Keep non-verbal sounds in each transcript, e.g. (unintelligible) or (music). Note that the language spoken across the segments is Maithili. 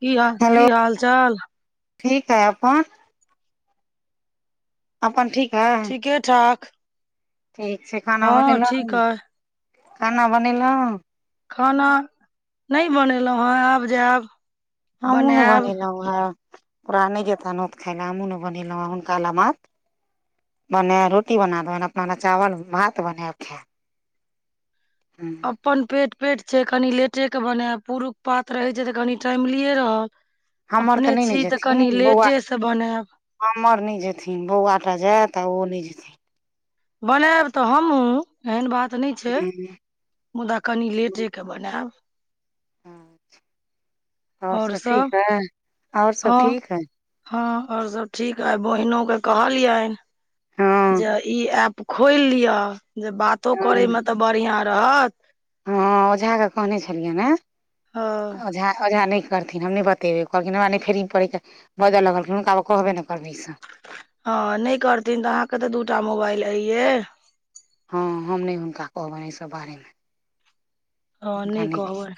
कि हाल, हेलो कि हाल चाल? ठीक है। अपन? अपन ठीक है? ठीके ठाक। ठीक छै खाना हँ ठीक बनेलहुँ? अइ खाना बनेलहुँ? खाना, नहि बनेलहुँ हें। आब जायब। हमहुँ नै बनायब बनेलहुँ हेँ। बुरहा नहि जेता नोत खाय ले। हमहुँ नै बनेलहुँ हेँ। हुनका लेल मात्र बने रोटी बना देबानि, अपना लेल चावल भात बनायब खायब। हूँ, अपन पेट पेट छै कनि लेटे के बनायब। पुरुष पात रहै छै तऽ कनि टाइमलिए रहल। हमर अपने नहि ने छी तऽ कनि जेथिन बौआ लेटेसँ बनायब। हमर नहि जेथिन। बौआटा जायत, आ ओ नहि जेथिन। बनायब तऽ हमहूँ। एहेन बात नहि छै। हूँ, मुदा कनि लेटेके बनायब। आओर सब ठीक है? आओर सब हँ ठीक है। हँ आओर सब ठीक है। आ बहिनो के कहलियनि हँ जे ई एप खोलि लिअ, जे बातो हँ करयमे तऽ बढ़िआँ रहत। हँ ओझा के कहने छलियैन हेँ। हँ ओझा ओझा नहि करथिन। हम नहि बतेबै। कहलखिन हमरा नहि खेढ़ी पड़े के, बजऽ लगलखिन। हुनका आब कहबे नै करबै ईसब जाउ। हँ नहि करथिन तऽ अहाँके तऽ दूटा मोबाइल अइये। हँ हम नहि हुनका कहबनि एहिसभ बारेमे। हं नहि कहबैन।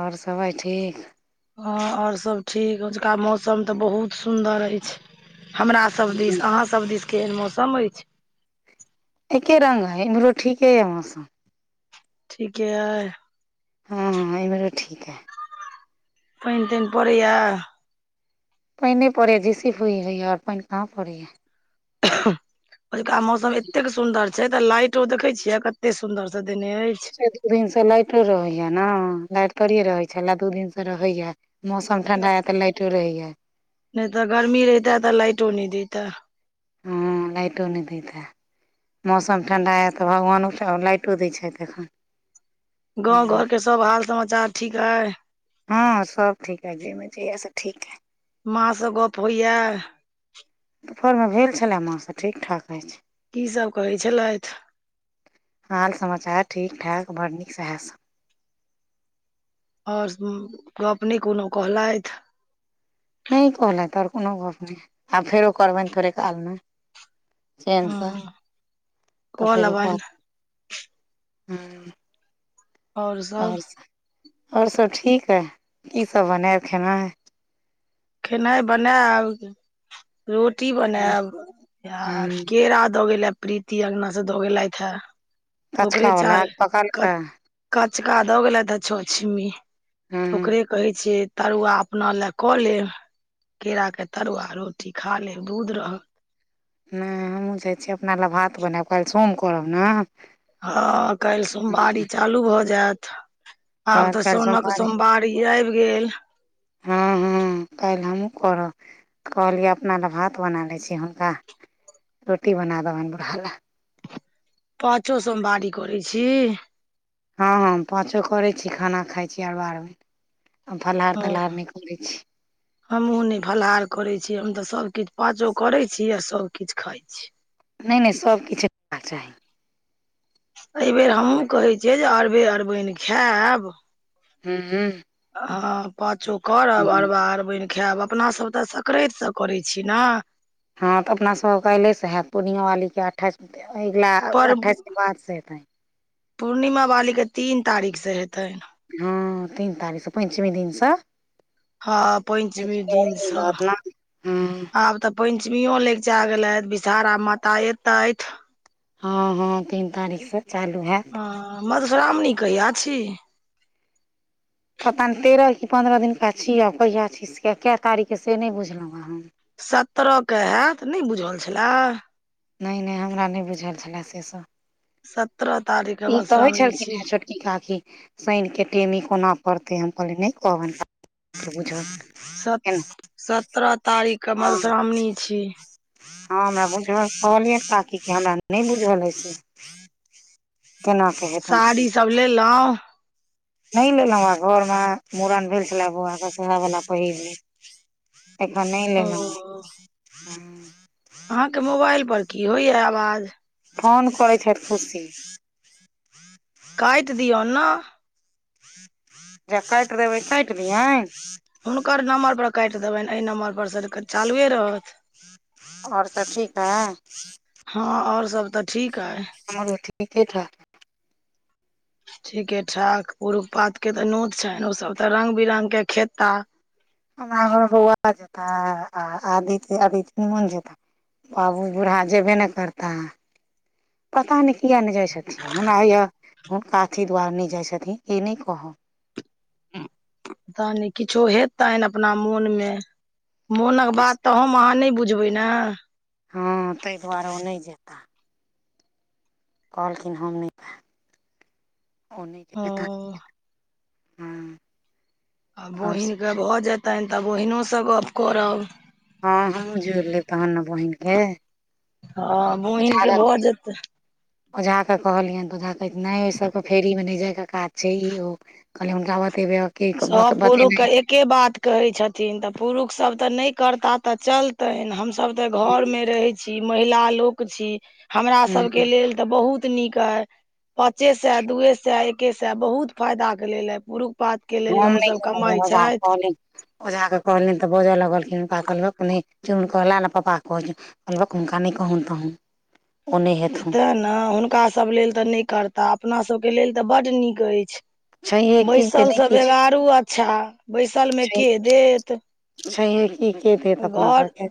आओर सब अइ ठीक? हँ आओर सभ ठीक। ओजका मौसम तऽ बहुत सुन्दर अछि। हमरासभ दिस, अहाँसभ दिस केहेन मौसम अछि। एक्के रंग अय। एम्हरो ठीके यै मौसम। ठीके अई? हुम्म, एम्हरो ठीक है। पाइनि ताइन पड़ैया? पाइन नहि पड़ैया। झिसी होइ हइए। आओर पाइन कहाँ पड़ैया। कोलका मौसम एतेक सुन्दर से तऽ लाइटो देखै छियै, कतेक सुंन्दर से देने अछि। एक दू दिन से लाइटो रहैया न। लाइट थोड़िये रहै छलए। दू दिन से रहैया। मौसम ठंडा य तऽ लाइटो रहैया। नहि तऽ गर्मी रहिते तऽ लाइटो नहि दयते। हुम्म लाइटो नहि दैते। मौसम ठंडा अय तऽ भगवानो सब लाइटो दैत छथिन। (unintelligible) गाँव घरके सब हाल समाचार ठीक अइ? हँ सब ठीक अइ (unintelligible) जहिया से ठीक अइ। माँसँ गऽप होइए? दुपहरमे भेल छलय माँसँ, ठीक- ठाक अछि। की सब कहै छलैथ? हाल समाचार ठीक- ठाक, बड़ नीक, सेह सब। आओर कहू गप नहि कोनो कहलथि। नहि कहलथि आओर कोनो गपनहि, आब फेर ओकर बाद थोड़े काल मे। चेनसँ हँ तऽ कऽ फेर ओकर लेबनि बाद--हुँ। आओर सब, आओर सब ठीक ऐह, की सब बनायब खेना य? खेनाय बनायब। रोटी बनायब, आ हूँ केरा द गेलये फी प्रीति अंगना से दऽ गेलथि हे, ओकरे कचका वला चाहे कट पकलका कचका दऽ गेलथि ह, छअ छिमी हूँ तऽ ओकरे कहै छियै। तरुआ अपना लय कऽ लेब, केराके तरुआ रोटी खा लेब, दूध रहत। हूँ हमहूँ जाय छी अपना ल भात बनायब, काल्हि सोम करब ने नै हमहुँ जाय छि अपना ले भात बनैब, काइल सोम करब ने।। हँ, काल्हि सोमवारी चालू भऽ जायत। आब तऽ साउनक सोमवारी आबि गेल। हँ हँ, काल्हि हमहुँ करब, कहलियै अपना ल भात बना लय छी, हुनका रोटी बना देबनि बुरहा ले। पाँचो सोमवारी करय छी? हँ, हँ। पाँचो करय छी, खाना खाय छी अरबा- अरबैन, आ फलहार हँ तलहार नहि करय छी। हमहुँ नहि फलहार करय छी, हम तऽ सब किछ पाँचो करय छी आ सब किछ खााय छी। नहि -नहि सब किछु नै खेबाक चाही। अहिबेर हमहु कहै छियै, जे अरबे अरबैन खैब। हू। हँ, पाँचो करब, अरबा -अरबैन खायब, अपना सब तऽ, सक्राति स करय छी ने? हँ, तऽ अपना सबके काइल्हे से हैत, पूर्णिमा बालीके अठाइस, अगिला पर अठाइसके बाद से हेतै। पूर्णिमा बालीके तीन तारीख से हेतय। हँ, तीन तारीख स पंचमी दिन स। हँ, पंचमी दिन स ने हँ आब तऽ। पंचमीयो लैगचा गेलै, विषहारा माता एतथि। हँ, हँ, तीन तारीख स चालू हैत। हँ, मधुश्रावणी कहिया छी? पता नहि, तेरह कि पन्द्रह दिनका छी, आब कहिया छी कय तारीख के से नहि बुझलहुँ हँ हम। सत्ररह के हैत, नहि बुझल छलय? नहि -नहि हमरा नहि बुझल छलय से सभ। सत्रह तारीख के मधुश्रावणी छलखिन छी। हे छोटकी काकी शनिके टेमी कोना पड़तै, हम कहलियै नहि कहब, बुझल स केना सत्रह तारीख के हँ मधुश्रावणी छी। हँ, हमरा बुझल कहलियैन काकी के, हमरा नहि बुझल अछि। केना से साड़ी सब लेलहुँ? नहि लेलहुँ हें, घर मे मूड़न भेल छलय बौआ के, सेहे वला पहिर लेब। एखन नहि ओ लेलहुँ हें। अहाँके मोबाइल पर की होइये आवाज? फोन करै छथि खुशी। काटि दिऔ ने। जे काटि देबै काटि दियैन। हुनकर नम्बर पर काटि देबनि एहि नम्बर पर सर के चालुए रहत। आओर सब ठीक ठाक। हँ आओर सब तऽ ठीक अहि। हमरो ठीके ठाक ठीके ठाक पुरूख पातके तऽ नोत छैन्ह ओ सब तऽ रंग बिरंगके खेता। हमरा घरमे बौआ जेताह आ आदित आदित मोहन जेता। बाबू बूढ़ा जेबे ने करता पता नहि किया नहि जाइ छथिन हमरा होइये ह कथी द्वार नहि जाइत छथिन ई नहि कहब। पता नहि किछो हेतनि अपना मोनमे मोनक बात त हम अहाँ नहि बुझबै ने। हँ ताहि दुआरे ओ नहि जेताह। कहलखिन हम नय ओ जैब (unintelligible) आ बहिनके भऽ जेतनि तऽ बहिनोसँ गप्प करब। हँ हमहँ जोर लेतहुँ ने बहिन के। हँ बहिनक के भऽ जेतै। ओझा के कहलियनि तऽ ओझा कह नहि ओहि सबके फेरीमे नहि जाय क काज छै ई ओ कहलियए हुनका बतेबै और की केकरो तऽ बतेबय। के बात कहै छथिन तऽ पुरुषसभ तऽ नहि करता तऽ चलतनि हम सब तऽ घरमे रहे छी महिला लोक छी हमरा हुँ सबके लेल तऽ बहुत नीक अइ। पाँचे से, दूए से, एके से बहुत फायदा के लेल हे पूुरुष पात हम नहि कहलियए (unintelligible) कहल ओझा के कहलियनि तऽ बजऽ लगलखिन हुनका कहलक चुन कहला ने पपा के कह बक हुनका नहि कहून तहुन। ओ नहि हेथुन तैँ ने हुनकासभ लेल तऽ नहि करताह अपनासभके लेल तऽ बड्ड नीक अछि। छैहे कि जे नहि बैसलसँ किछु बेगारू अच्छा बैसलमे के देत। छैेहे की के देत अपना सबके।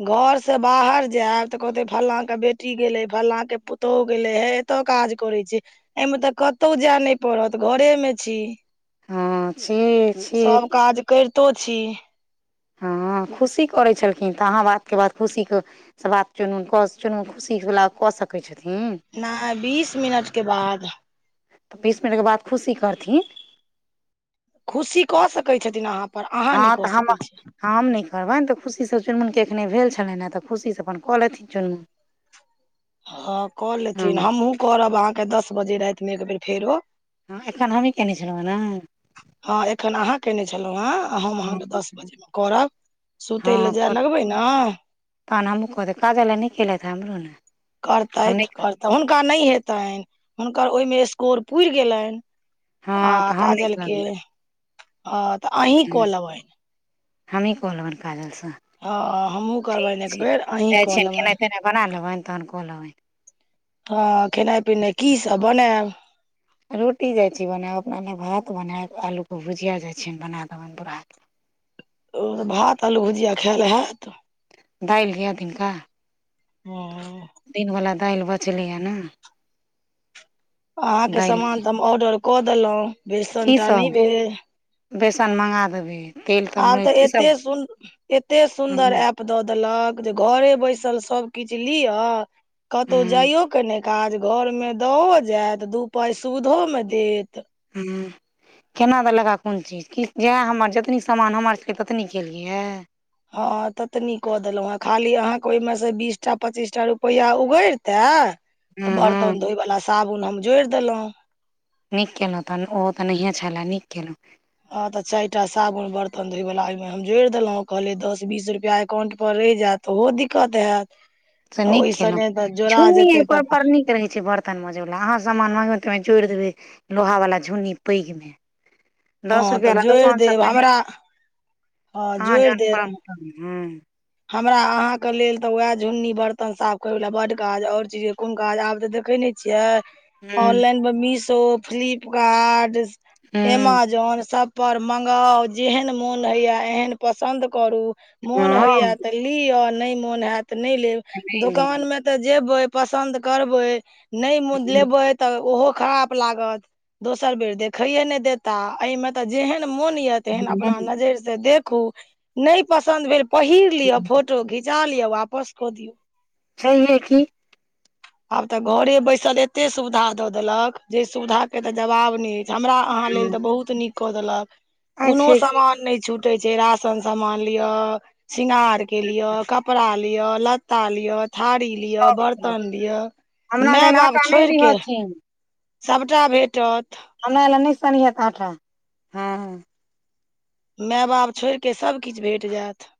घरसँ बाहर जायब तऽ कहते फलाके बेटी गेले हे फलाके पुतोहु गेले हे कतय काज करै छैय, एहिमे तऽ कतहु जाय नहि पड़त घरेमे छी। हँ छियै छियै सब काज करितो छी। हँ खुशी करै छलखिन तऽ अहाँ बातके बात खुशीके से बात चुनू, चुनू खुशी वला कऽ सकैत छथिन। नहि बीस मिनटके बाद। बीस मिनटके बाद खुशी करथिन। खुशी कऽ सकैत छथिन अहाँ पर अहाँ नहि हँ कऽ तऽ हम सकैत छी हम नहि करबनि तऽ खुशीसँ चुनमुनके एखने भेल छलनि हँ तऽ खुशीसँ अपन कऽ लथिन चुनमुन। हँ कऽ हँ लेथिन हमहुँ करब अहाँके दस बजे रातिमे एक बेर फेरो। हँ एखन हमहीँ कयने छलहुँ हँ ने। हँ एखन अहाँ कने छलहुँ हेँ, हम ने अहाँके दस बजेमे करब। सुतय लए हँ जाय लगबै ने तहन हमु क देबय काजल आइ नहिे केलत हमरो ने। तऽ हम नहि करतथि करता हुनका नहि हेतनि हुनकर ओहिमे स्कोर पुरि गेलनि आ हँ तऽ हम नहि काजल के करबै ह तऽ अहीं कऽ लेबैन। हमही कऽ लेबनि काजल सँ। ह हमहुँ ठीक करबनि एक छै बेर अहीं जाइ कऽ छियनि लेबनि खेनाइ तेनाइ बना लेबनि तहन कऽ लेबनि। हँ खेनाइ पिनाइ की सब बनायब? रोटी जाइ छी बनेएब अपना लए भात बनाएब आलूके भुजिया जाइ छियनि बना देबनि बुरहा ले। ओ भात आलू भुजिया खायल हेएत? दालि यऽ दिनका हँ दिन बाला दालि बचले य नै, अहाँके दालि समान तऽ हम ऑर्डर कऽ देलहुँ बेसन की टा नहि सब भेल। बेसन मङ्गा देबै। तेल आब तमे तऽ की एते सब सुन एते सुन्दर हूँ एप दऽ देलक जे घरे बैसल सब किछ लियअ कतौ हूँ जाइयो के नै काज घरमे दओ जायत दू पाइ सुुधो मे देत। हूँ केना देलक आ कोन चीज कि जएह हमर जतनि समान हमर छल ततनि केलियैए। हँ ततनी कऽ देलहुँ हेँ खाली अहाँके ओहिमे से बीस टा पच्चीसटा रुपैआ उगरिते तऽ हूँ हूँ बर्तन धोय बला साबुन हम जोड़ि देलहुँ। नीक केलहुँ तहन ओहो तऽ नहिए छलए नीक केलहुँ। ह तऽ चारि टा साबुन बर्तन धोय वला ओहिमें हम जोड़ि देलहुॅं कहलियै दस बीस रुपआ एकाउंट पर रहि जायत। तऽ ओहो दिक्कत हेएत। से नीक खेलहुं झुन्नी ओकर नीक रहै छै बर्तन तन मजै बला अहाँ सामान मांगेबै त ओहि मे जोड़ि देबे लोहा वला झुन्नी पैघ में, दस हँ रुपआ तऽ बला जोड़ि दूकान देब सब मे नै, हमरा हँ अहां जोड़ि ज़ेहन देब पाँच सौ के हॅं, हमरा अहाँ के लेल तऽ वएह झुन्नी बर्तन साफ करयवला बड काज और चीज कोन काज आब तऽ देखै नै छियै, हुँ ऑनलाइन मे मिशो फ्लिपकार्ट हुँ एमाजोन सब पर मंगाउ जेहन मोन होयये एहन पसन्द करू मोन हँ होइये त लियऽ नहि मोन हैत नहि लेब नहि दोकानमे तऽ जेबै पसन्द करबै नहि लेबै तऽ ओहो खराप लागत। दोसर बेर देखैेेए नै देता अय मे तऽ जेहन मोन ये तेहेन दियौ अपना नजैर से देखू नहि पसन्द भेल पहिर लियअ फोटो घीच चा लियऽ वापस कऽ दियौ। छैहे कि। आब तऽ घरे बैसल एते सुविधा द देलक जे सुविधा के ते जवाब नै। हमरा अहाँ लेल तऽ बहुत नीक कऽ देलक आइ कोनो छै की सामान नहि छूट टै छै राशन सामान लियऽ शृंगार के लियऽ कपड़ा लियऽ लियऽ लत्ता लियऽ थारी लियऽ सब छै बर्तन लिय हमरा माय लेल बाप आटा नहि छोड़िके दिहथिन सभटा भेटत। हमरा लए नहि सनिहैथ आंटा ह। मेए बाप छोड़ि कऽ सभकिछ भेट जायत।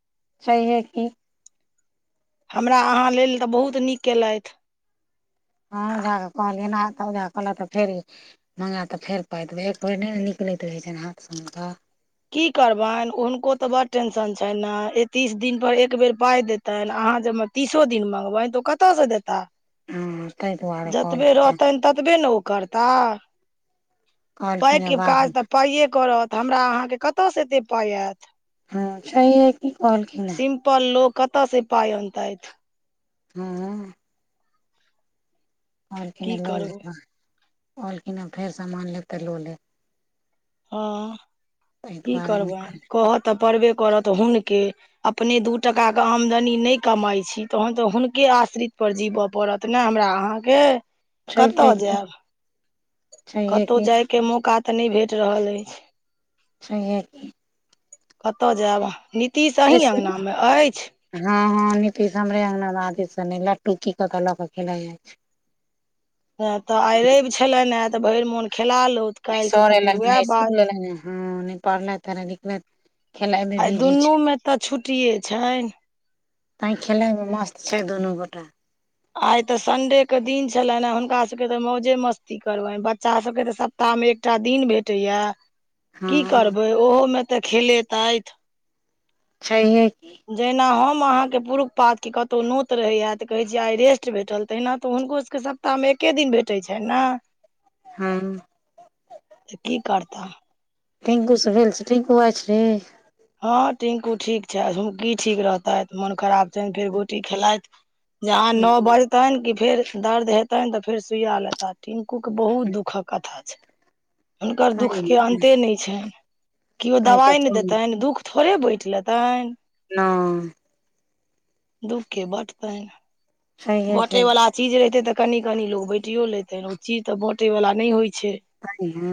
छहिए कि। हमरा अहाँ लेल तऽ बहुत नीक केलथि। हँ ओजहा के कहलियैन अहांक ओजहा कहलथि तऽ फेर मंगेएब तऽ फेर पाइ देबै एक बेर नहि ने निकलैत रहै छनि हाथ से हुनका। की करबनि हुनको त बड़ टेंशन छनि ने ए तीस दिन पर एक बेेर पाय देतै तह अहाँ जे हम तीसो दिन मँंगगबनि तऽ ओ कतयसँ देता। हँ ताहि दुआरे जतबे कहलखिन हे रहतनि ततबे ने ओ करताह। कहलखिन हे पाइके बाद मे काज तऽ पाइए करत हमरा अहाँके कतयसँ एतेक पाइ आयत? हँ छैहे कि कहल कि ने। अपन लोक कतऽ से पाइ अनतैथ। हँ कहलखिन की लऽ करबै लेब, कहलखिन फेर सामान लेब तऽ लऽ लेब हँ ताहि की दुआरे करबा नहि कहत तऽ परबे करत त हुनके अपने दू टका के आमदनी नहि कमाई छी तहन तऽ हुनके आश्रित पर जीबय पड़त। नहि हमरा अहाँके छैहे कतऽ की जायब? छैहे कतहु की जायके मौका तऽ नहि भेट रहल अछि। छैहे कतऽ जायब नीतीश अहीं अङगनामे अछि। हँ-हँ नीतीश हमरे अङ्गनामे बदीसँ ने लट्टू की कतय लऽ कऽ खेलाैत अछिइ। तऽ आइ रवि छलनि हे तऽ भरि मोन खेला लैथ। नहि सर लंग इसकुल ए ह नहि पढ़ल नहि लिखल आइ दुनूमे तऽ छुट्टिये छै। तै खेलयमे मस्त छै दुनू गोटा। आइ तऽ सडेके दिन छलनि हे हुनका सभके तऽ मौजे मस्ती करबनि बच्चाभके तऽ सभ क्ता मे एकटा दिन भेटैया की हँ करबै ओहो मे तऽ खेलेत अछि छैही जहिना हम अहाँके पुरुष पातके कतहु नोत रहैया तऽ कहैत छीै आइ रेस्ट भेटल तहिना तऽ हुनकोसभके सभ प्तामे एके दिन भेटैत छै ने हँ। तऽ की करताह टिनकू से भेल छै टंकु आइ छैी हँ टिनकू ठीक छै हुकी ठीक रहतथि मोन खराब छनि फेर गोटी खेलाथ जहाँ तै नो बजतनि की फेर दर्द हेतनि ते फेर सुइया लेता टिनकूके बहुत दुःखक कथा छ हुनकर दुःखके अन्ते नहि छनि केओ तऽ दबाइ नहि कोन देतन दुःख थोड़े बैठि लेतन न दुःखे कै बाट पै ने छैहे कि बाँटयवला चीज रहितै तऽ कनि-कनि लोक बाँटियो लेतै ओ चीज तऽ बाँटयवला नहि होइत छै। अइ हे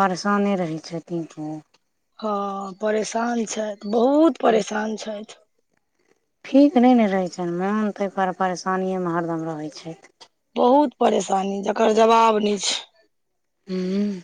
परेशाने रहै छथिननक ह परेशान छैथ बहुत परेशान छैथ ठीक नहि ने रहै छनि मोन ताहिपर परेशानिेमे हरदम रहै छैथ बहुत परेशानी जकर जवाब न छै। हूँ